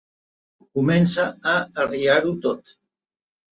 Comença a arriar-ho tot.